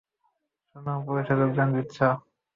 শুনলাম পুলিশে যোগদান দিচ্ছো?